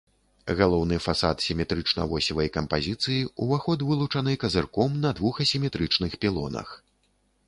Галоўны фасад сіметрычна-восевай кампазіцыі, уваход вылучаны казырком на двух асіметрычных пілонах.